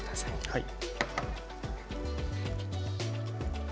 はい。